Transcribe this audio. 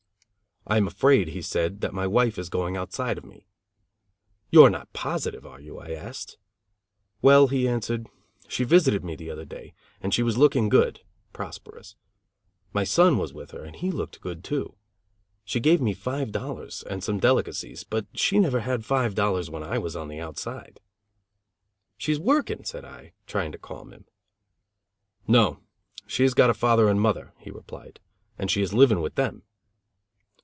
"I am afraid," he said, "that my wife is going outside of me." "You are not positive, are you?" I asked. "Well," he answered, "she visited me the other day, and she was looking good (prosperous). My son was with her, and he looked good, too. She gave me five dollars and some delicacies. But she never had five dollars when I was on the outside." "She's working," said I, trying to calm him. "No; she has got a father and mother," he replied, "and she is living with them."